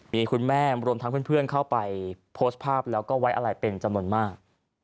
มีคุณแม่รวมทั้งเพื่อนเข้าไปโพสต์ภาพแล้วก็ไว้อะไรเป็นจำนวนมาก